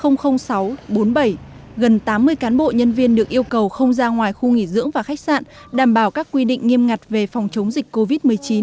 gần tám mươi cán bộ nhân viên được yêu cầu không ra ngoài khu nghỉ dưỡng và khách sạn đảm bảo các quy định nghiêm ngặt về phòng chống dịch covid một mươi chín